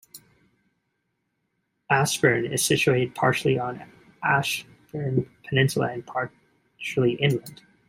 Absheron is situated partially on Absheron Peninsula and partially inland.